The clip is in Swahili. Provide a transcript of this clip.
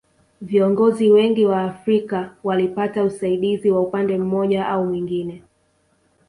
Viongozi wengi wa Afrika walipata usaidizi wa upande mmoja au mwingine